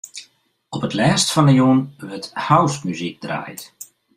Op it lêst fan 'e jûn wurdt housemuzyk draaid.